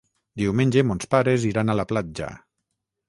Diumenge mons pares iran a la platja.